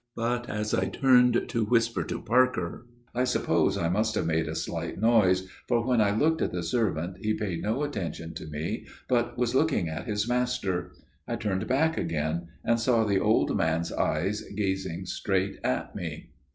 But as I turned to whisper to Parker, I suppose I must have made a slight noise, for when I looked at the servant he paid no attention to me, but was looking at his master. I turned back again, and saw the old man's eyes gazing straight at me.